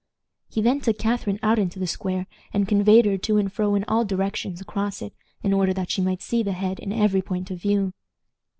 He then took Catharine out into the square, and conveyed her to and fro in all directions across it, in order that she might see the head in every point of view.